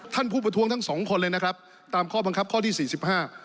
ผู้ประท้วงทั้งสองคนเลยนะครับตามข้อบังคับข้อที่สี่สิบห้า